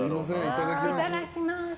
いただきます。